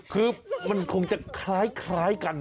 คือมันคงจะคล้ายกัน